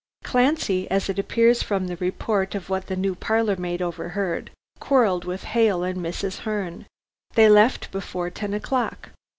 Clancy, as it appears from the report of what the new parlor maid overheard, quarrelled with Hale and Mrs. Herne. They left before ten o'clock.